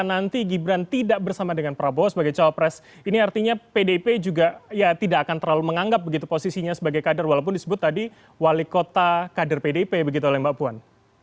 nanti gibran tidak bersama dengan prabowo sebagai cawapres ini artinya pdip juga ya tidak akan terlalu menganggap begitu posisinya sebagai kader walaupun disebut tadi wali kota kader pdip begitu oleh mbak puan